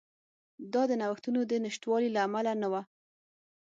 دا د نوښتونو د نشتوالي له امله نه وه.